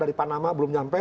yang pertama belum nyampe